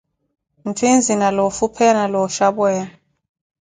Ntthi nzina loofupheya na looxhapweya.